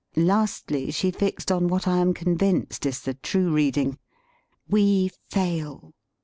Lastly, she fixed on what I am convinced is the true reading 'we fail.'